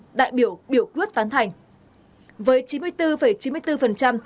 với chín mươi bốn chín mươi bốn đại biểu quyết tán thành quốc hội đã thông qua dự án luật hợp tác xã sửa đổi